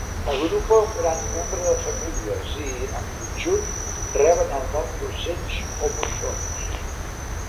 Agrupa un gran nombre de famílies i, en conjunt, reben el nom d'ocells o moixons.